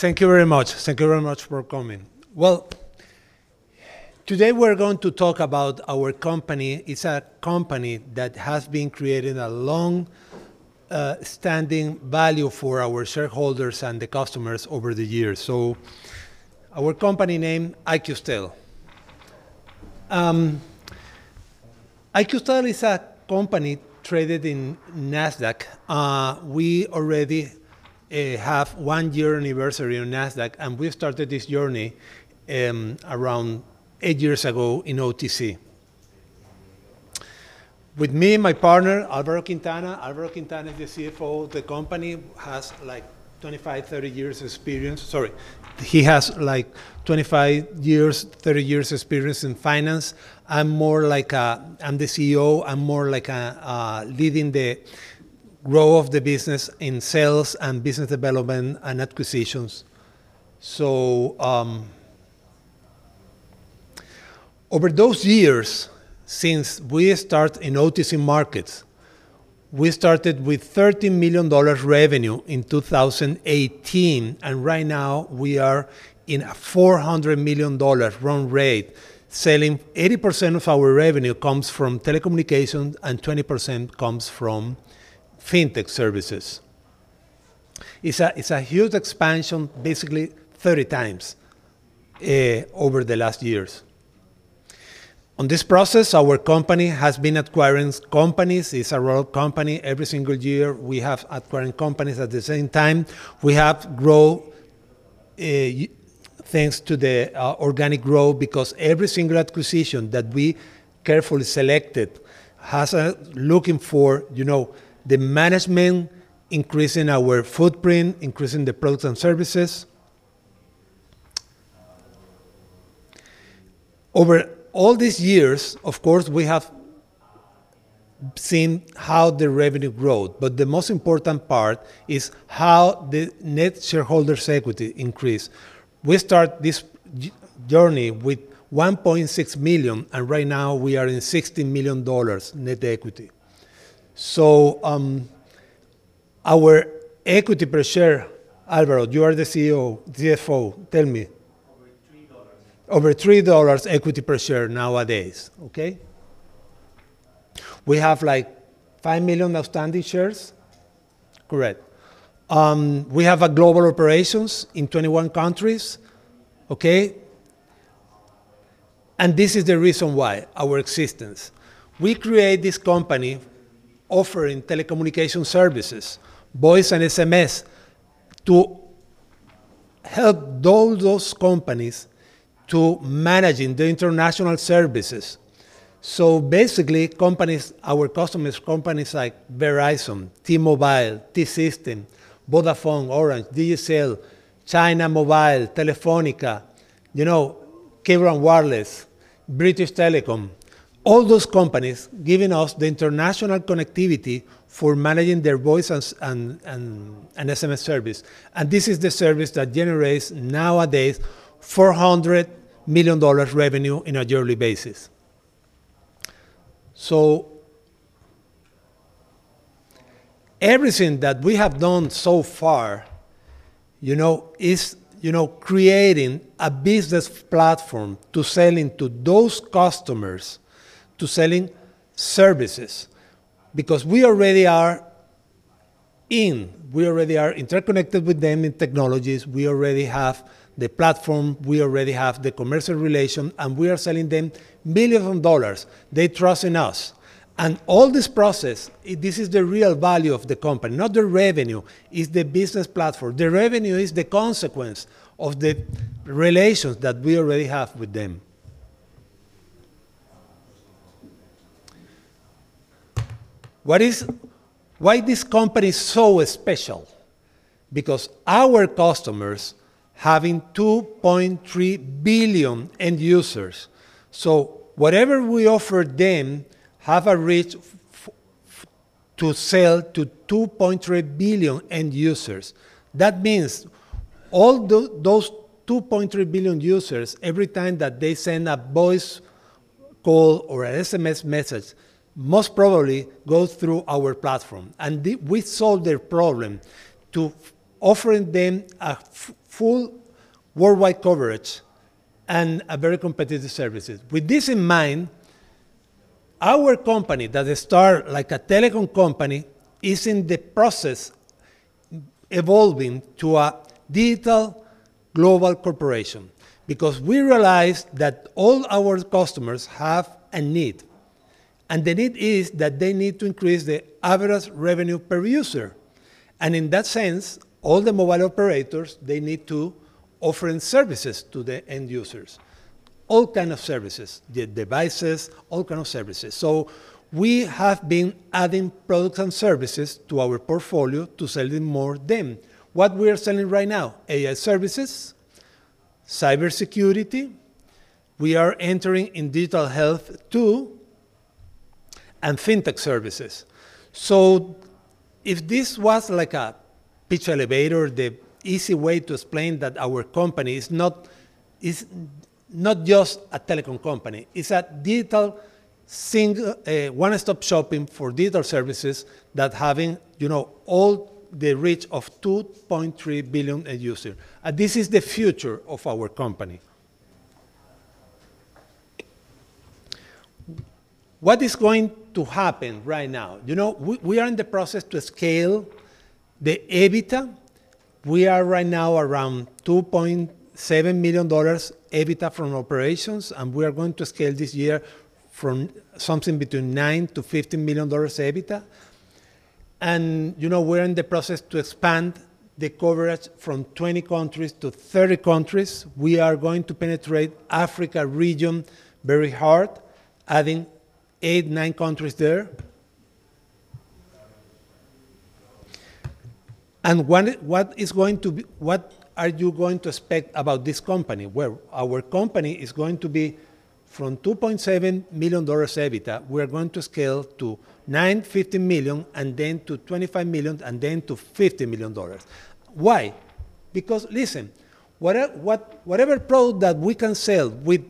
Thank you very much. Thank you. Thank you very much. Thank you very much for coming. Well, today we're going to talk about our company. It's a company that has been creating a long-standing value for our shareholders and the customers over the years. Our company name: iQSTEL. iQSTEL is a company traded on Nasdaq. We already have one-year anniversary on Nasdaq, and we've started this journey around eight years ago in OTC. With me is my partner, Alvaro Quintana. Alvaro Quintana is the CFO of the company; has 25 or 30 years experience. He has 25 years or 30 years experience in finance. I'm more like, I'm the CEO. I'm more like, leading the growth of the business in sales and business development and acquisitions. Over those years since we start in OTC markets, we started with $30 million revenue in 2018, right now we are in a $400 million run rate. Selling 80% of our revenue comes from telecommunications, and 20% comes from fintech services. It's a huge expansion, basically 30x over the last years. On this process, our company has been acquiring companies. It's a roll-up company. Every single year, we have been acquiring companies. At the same time, we have growth, thanks to the organic growth because every single acquisition that we carefully selected has a Looking for, you know, the management, increasing our footprint, increasing the products and services. Over all these years, of course, we have seen how the revenue growth, the most important part is how the net shareholders' equity increase. We start this journey with $1.6 million. Right now we are in $60 million net equity. Our equity per share, Alvaro, you are the CFO, tell me. Over $3. Over $3 equity per share nowadays, We have, like, 5 million outstanding shares? Correct. We have global operations in 21 countries, This is the reason why our existence: we create this company offering telecommunication services, voice and SMS, to help all those companies to manage the international services. Basically, companies, our customers, companies like Verizon, T-Mobile, T-Systems, Vodafone, Orange, VSNL, China Mobile, Telefónica, you know, Cable & Wireless, British Telecom, all those companies giving us the international connectivity for managing their voice and SMS service. This is the service that generates nowadays $400 million revenue on a yearly basis. Everything that we have done so far, you know, is, you know, creating a business platform to sell into those customers, to sell services, because We already are interconnected with them in technologies. We already have the platform. We already have the commercial relation, we are selling them millions of dollars. They trust us. All this process, this is the real value of the company, not the revenue. It's the business platform. The revenue is the consequence of the relations that we already have with them. Why is this company so special? Our customers have 2.3 billion end-users. Whatever we offer them has a reach to sell to 2.3 billion end-users. That means all those 2.3 billion end-users, every time that they send a voice call or an SMS message, most probably goes through our platform. We solve their problem to offer them a full worldwide coverage and a very competitive services. With this in mind, our company that start like a telecom company is in the process of evolving to a digital global corporation because we realize that all our customers have a need, and the need is that they need to increase the average revenue per user. In that sense, all the mobile operators, they need to offer services to the end users, all kind of services, the devices, all kind of services. We have been adding products and services to our portfolio to sell more of them. What we are selling right now, AI services, cybersecurity, we are entering in digital health too, and fintech services. If this were an elevator pitch, the easiest way to explain it is that our company is not just a telecom company. It's a digital circle, a one-stop shop for digital services that has, you know, all the reach of 2.3 billion end-users. This is the future of our company. What is going to happen right now? You know, we are in the process to scaling the EBITDA. We are right now around $2.7 million EBITDA from operations, and we are going to scale this year from something between $9 million-$15 million EBITDA. You know, we're in the process to expand the coverage from 20 countries to 30 countries. We are going to penetrate Africa region very hard, adding eight, nine countries there. What are you going to expect about this company? Well, our company is going to be from $2.7 million EBITDA, we are going to scale to $9 million-$15 million, and then to $25 million, and then to $50 million. Why? Listen, whatever product that we can sell with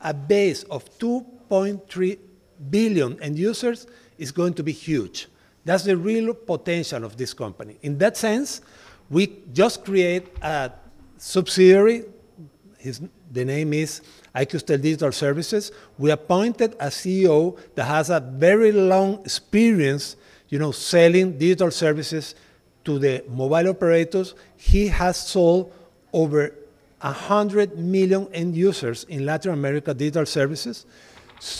a base of 2.3 billion end-users is going to be huge. That's the real potential of this company. In that sense, we just create a subsidiary. The name is iQSTEL Digital Services. We appointed a CEO that has a very long experience, you know, selling digital services to the mobile operators. He has sold over 100 million end-users in Latin America digital services.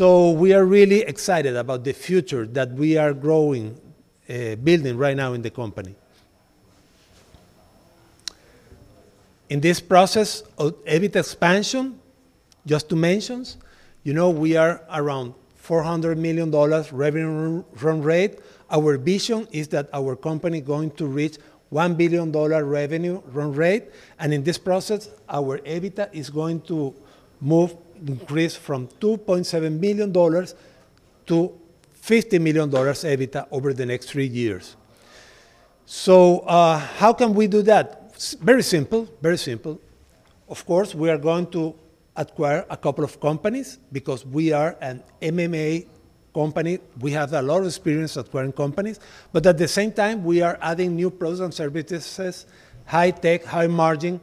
We are really excited about the future that we are building right now in the company. In this process of EBITDA expansion, just to mentions, you know, we are around $400 million revenue run rate. Our vision is that our company is going to reach $1 billion revenue run rate. In this process, our EBITDA is going to move, increase from $2.7 million-$50 million EBITDA over the next three years. How can we do that? Very simple. Very simple. Of course, we are going to acquire a couple of companies because we are an M&A company. We have a lot of experience acquiring companies. At the same time, we are adding new products and services, high tech, high margin,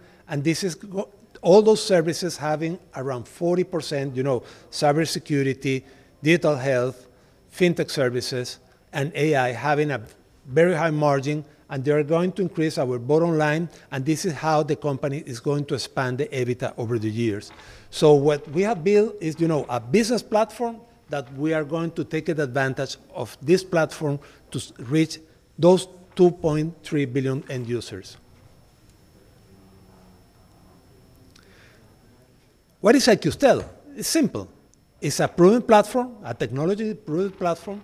all those services having around 40%, you know, cybersecurity, digital health, fintech services, and AI having a very high margin, and they are going to increase our bottom line, and this is how the company is going to expand the EBITDA over the years. What we have built is, you know, a business platform that we are going to take advantage of this platform to reach those 2.3 billion end-users. What is iQSTEL? It's simple. It's a proven platform, a technology proven platform.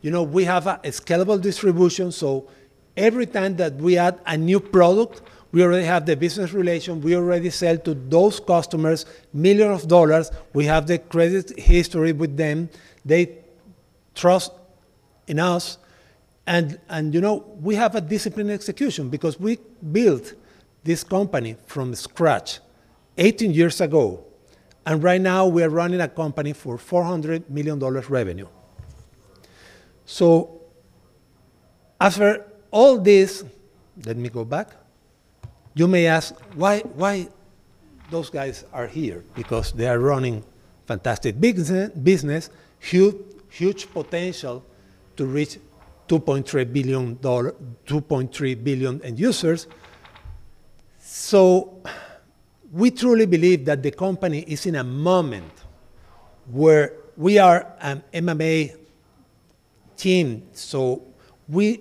You know, we have a scalable distribution, so every time that we add a new product, we already have the business relation. We already sell to those customers millions of dollars. We have the credit history with them. They trust in us and you know, we have a disciplined execution because we built this company from scratch 18 years ago, and right now we're running a company for $400 million revenue. After all this Let me go back. You may ask, why those guys are here? Because they are running fantastic business, huge potential to reach 2.3 billion end-users. We truly believe that the company is in a moment where we are an M&A team, we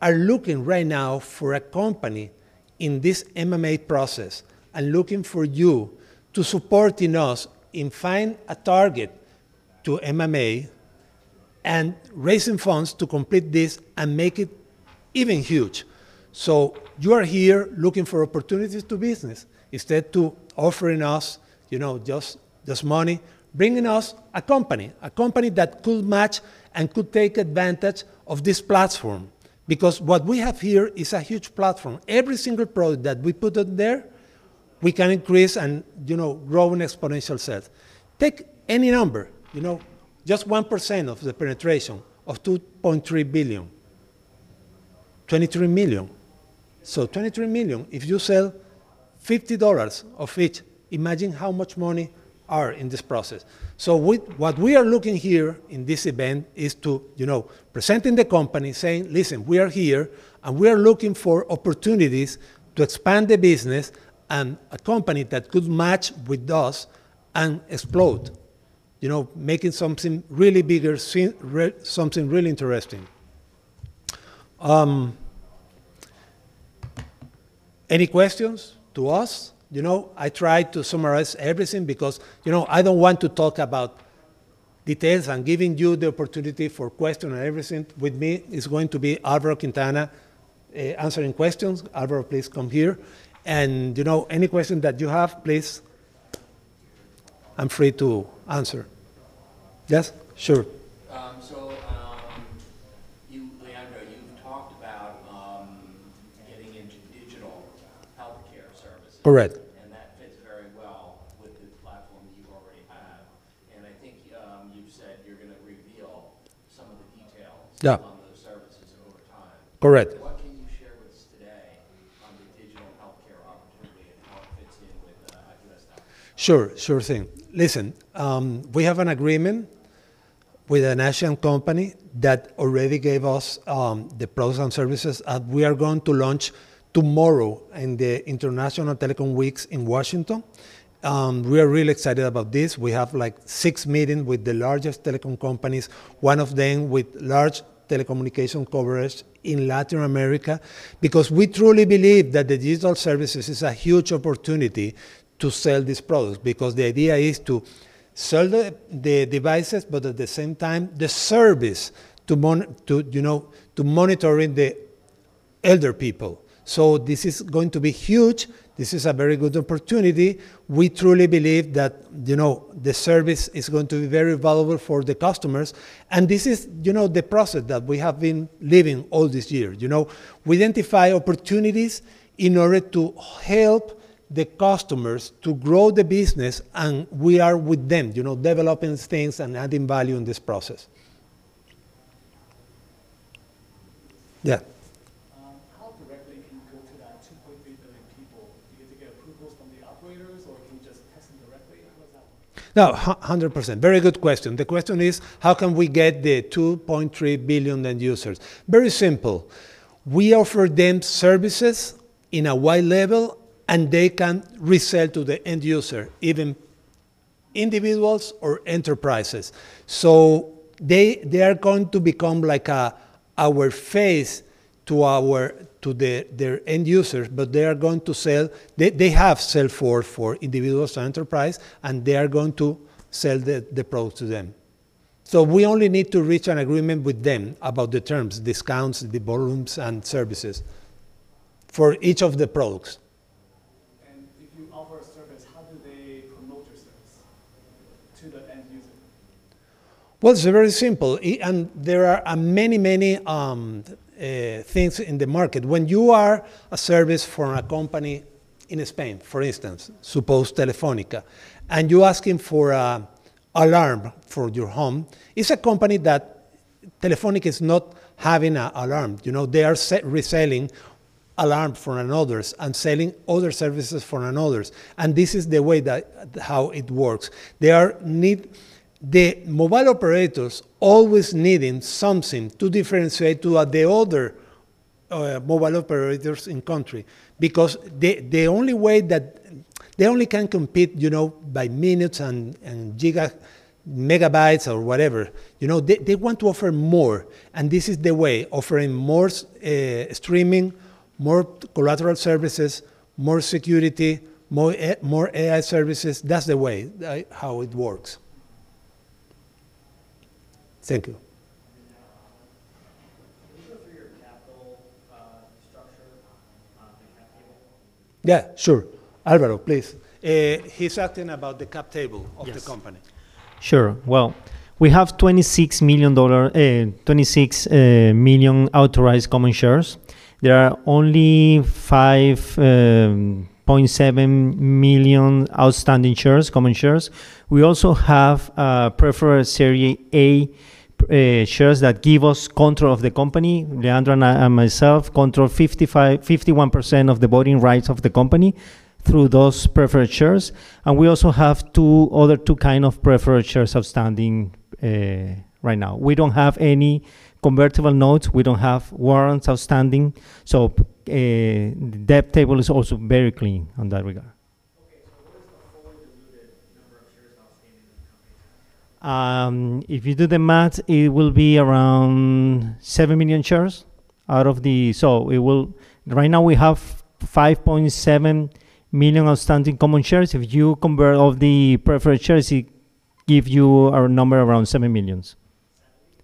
are looking right now for a company in this M&A process and looking for you to supporting us in find a target to M&A and raising funds to complete this and make it even huge. You are here looking for opportunities to business instead to offering us, you know, just money, bringing us a company, a company that could match and could take advantage of this platform because what we have here is a huge platform. Every single product that we put in there, we can increase and, you know, grow in exponential sales. Take any number, you know, just 1% of the penetration of 2.3 billion, 23 million. 23 million, if you sell $50 of each, imagine how much money are in this process. What we are looking here in this event is to, you know, presenting the company, saying, "Listen, we are here, and we are looking for opportunities to expand the business and a company that could match with us and explode." You know, making something really bigger something really interesting. Any questions to us? You know, I tried to summarize everything because, you know, I don't want to talk about details. I'm giving you the opportunity for question and everything. With me is going to be Alvaro Quintana answering questions. Alvaro, please come here. You know, any question that you have, please, I'm free to answer. Yes. Sure. Getting into digital healthcare services. Correct. That fits very well with the platform that you already have. I think, you said you're gonna reveal some of the details. Yeah. on those services over time. Correct. What can you share with us today on the digital healthcare opportunity and how it fits in with IoT Network? Sure. Sure thing. Listen, we have an agreement with a national company that already gave us the products and services. We are going to launch tomorrow in the International Telecoms Week in Washington. We are real excited about this. We have, like, six meeting with the largest telecom companies, one of them with large telecommunication coverage in Latin America, because we truly believe that the digital services is a huge opportunity to sell this product because the idea is to sell the devices, but at the same time, the service to, you know, monitoring the elder people. This is going to be huge. This is a very good opportunity. We truly believe that, you know, the service is going to be very valuable for the customers, and this is, you know, the process that we have been living all these years, you know? We identify opportunities in order to help the customers to grow the business, and we are with them, you know, developing things and adding value in this process. Yeah. How directly can you go to that 2.3 billion people? Do you have to get approvals from the operators, or can you just test them directly? How does that work? No, 100%. Very good question. The question is, how can we get the 2.3 billion end-users? Very simple. We offer them services in a wide level, they can resell to the end user, even individuals or enterprises. They are going to become like our face to the end users, but they are going to sell They have sell for individuals and enterprise, they are going to sell the products to them. We only need to reach an agreement with them about the terms, discounts, the volumes and services for each of the products. If you offer a service, how do they promote your service to the end user? Well, it's very simple. It there are many, many things in the market. When you are a service for a company in Spain, for instance, suppose Telefónica, and you're asking for a alarm for your home, it's a company that Telefónica is not having a alarm. You know, they are set reselling alarm for another and selling other services for another. This is the way that, how it works. The mobile operators always needing something to differentiate to the other mobile operators in country because they only can compete, you know, by minutes and giga- megabytes or whatever. You know, they want to offer more. This is the way, offering more streaming, more collateral services, more security, more AI services. That's the way how it works. Thank you. Now, can you go through your capital, structure on the cap table? Yeah, sure. Alvaro, please. He's asking about the cap table. Yes. Of the company. Sure. Well, we have 26 million authorized common shares. There are only 5.7 million outstanding shares, common shares. We also have a Preferred Series A shares that give us control of the company. Leandro and I, myself control 51% of the voting rights of the company through those preferred shares, and we also have two kind of preferred shares outstanding right now. We don't have any convertible notes. We don't have warrants outstanding. The debt table is also very clean on that regard. Okay, what is the fully diluted number of shares outstanding in the company now? Right now we have 5.7 million outstanding common shares. If you convert all the preferred shares, it give you a number around 7 millions.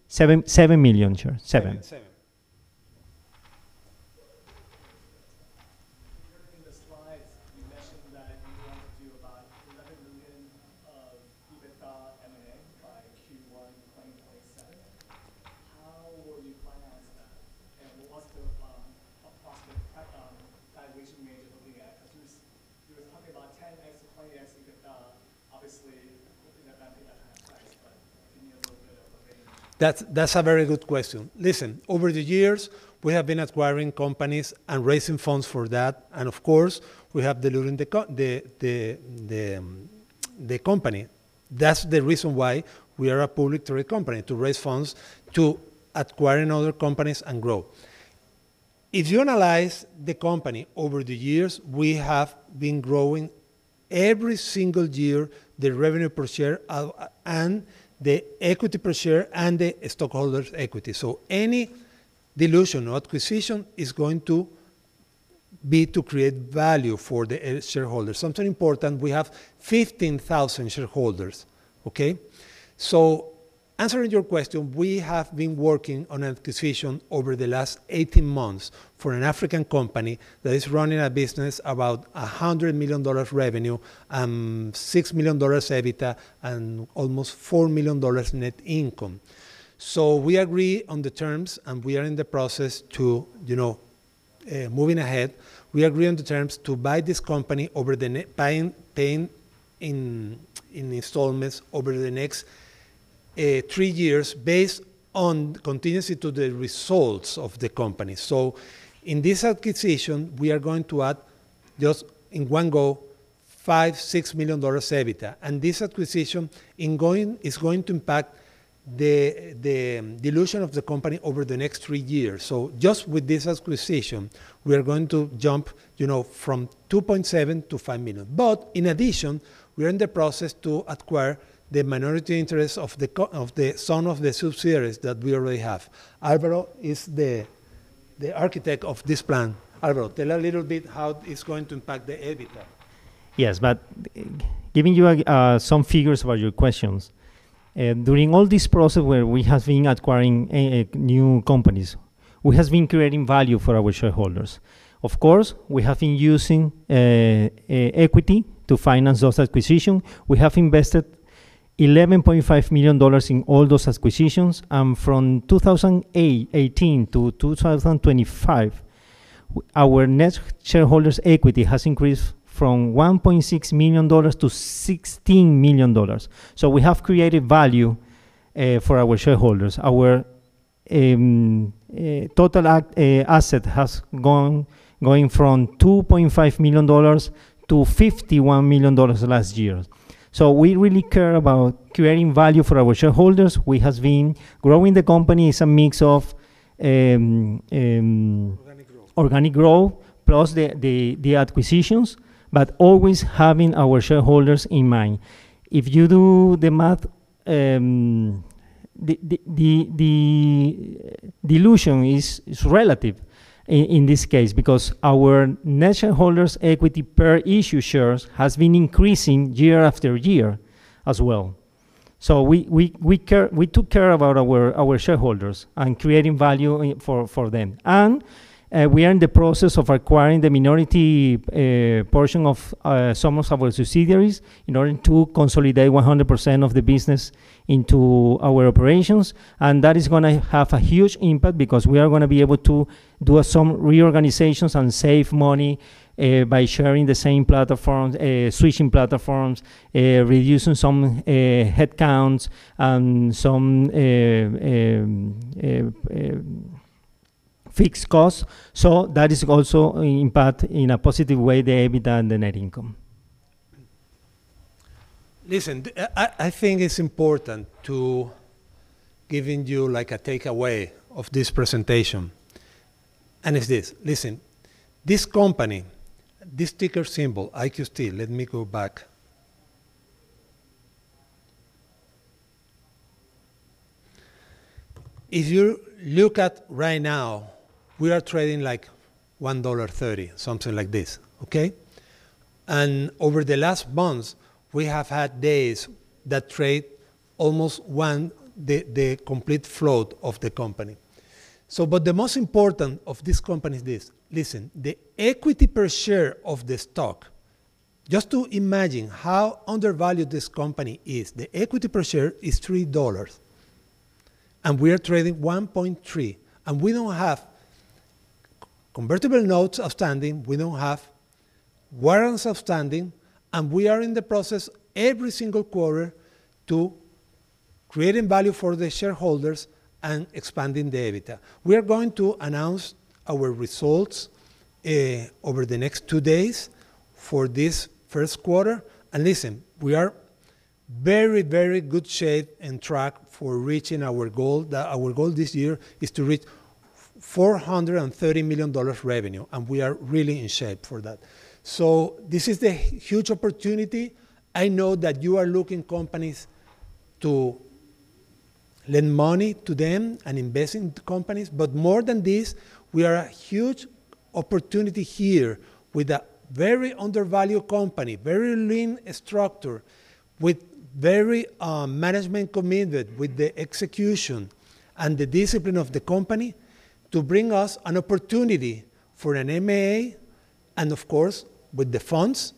7 million? 7 million shares. seven. Seven, seven. Earlier in the slides, you mentioned that you want to do about $11 million of EBITDA M&A by Q1 2027. How will you finance that, and what's the approximate cap valuation range you're looking at? 'Cause you were talking about 10x-20x EBITDA. Obviously, hoping that that'll be that high price, but give me a little bit of a range. That's a very good question. Listen, over the years, we have been acquiring companies and raising funds for that, and of course, we have diluting the company. That's the reason why we are a public traded company, to raise funds to acquiring other companies and grow. If you analyze the company over the years, we have been growing every single year the revenue per share of, and the equity per share and the stockholders' equity. Any dilution or acquisition is going to be to create value for the shareholders. Something important, we have 15,000 shareholders, okay? Answering your question, we have been working on acquisition over the last 18 months for an African company that is running a business about $100 million revenue, $6 million EBITDA, and almost $4 million net income. We agree on the terms, and we are in the process to buy this company over the buying, paying in installments over the next three years based on contingency to the results of the company. In this acquisition, we are going to add, just in one go, $5 million-$6 million EBITDA. This acquisition is going to impact the dilution of the company over the next three years. Just with this acquisition, we are going to jump, you know, from $2.7 million-$5 million. In addition, we are in the process to acquire the minority interest of some of the subsidiaries that we already have. Alvaro is the architect of this plan. Alvaro, tell a little bit how it's going to impact the EBITDA? Giving you some figures about your questions. During all this process where we have been acquiring new companies, we have been creating value for our shareholders. Of course, we have been using equity to finance those acquisitions. We have invested $11.5 million in all those acquisitions. From 2018-2025, our net shareholders' equity has increased from $1.6 million-$16 million. We have created value for our shareholders. Our total asset has gone from $2.5 million-$51 million last year. We really care about creating value for our shareholders. We have been growing the company. Organic growth. Organic growth plus the acquisitions, always having our shareholders in mind. If you do the math, the dilution is relative in this case because our net shareholders' equity per issued shares has been increasing year after year as well. We took care about our shareholders and creating value for them. We are in the process of acquiring the minority portion of some of our subsidiaries in order to consolidate 100% of the business into our operations. That is gonna have a huge impact because we are gonna be able to do some reorganizations and save money by sharing the same platforms, switching platforms, reducing some headcounts and some fixed costs. That is also impact in a positive way the EBITDA and the net income. Listen, I think it's important to giving you, like, a takeaway of this presentation, and it's this. Listen, this company, this ticker symbol, IQST. Let me go back. If you look at right now, we are trading, like, $1.30, something like this, okay? Over the last months, we have had days that trade almost one the complete float of the company. The most important of this company is this. Listen, the equity per share of the stock, just to imagine how undervalued this company is, the equity per share is $3, and we are trading $1.30. We don't have convertible notes outstanding. We don't have warrants outstanding. We are in the process every single quarter to creating value for the shareholders and expanding the EBITDA. We are going to announce our results over the next two days for this first quarter. Listen, we are very good shape and track for reaching our goal. Our goal this year is to reach $430 million revenue, we are really in shape for that. This is a huge opportunity. I know that you are looking companies to lend money to them and invest into companies. More than this, we are a huge opportunity here with a very undervalued company, very lean structure, with very management committed with the execution and the discipline of the company to bring us an opportunity for an M&A and of course, with the funds,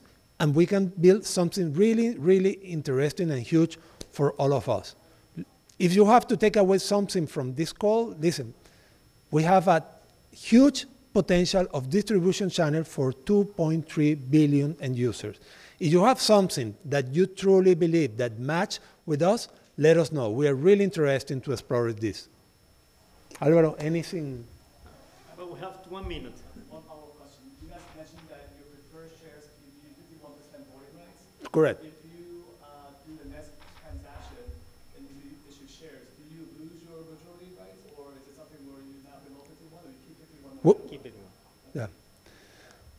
we can build something really interesting and huge for all of us. If you have to take away something from this call, listen, we have a huge potential of distribution channel for 2.3 billion end-users. If you have something that you truly believe that match with us, let us know. We are really interested to explore this. Alvaro, anything? Alvaro, we have one minute. One follow-up question. You guys mentioned that your preferred shares give you 51% voting rights. Correct. If you do the next transaction and you issue shares, do you lose your majority rights, or is it something where you have the voting you want or you keep? What? Keep it you want. Yeah.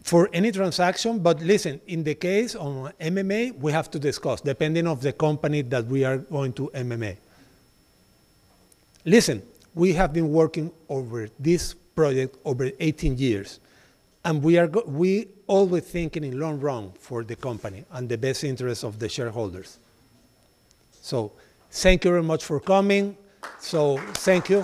For any transaction, listen, in the case on M&A, we have to discuss depending on the company that we are going to M&A. Listen, we have been working over this project over 18 years, we always thinking long run for the company and the best interest of the shareholders. Thank you very much for coming. Thank you.